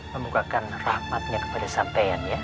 memukakan rahmatnya kepada sampean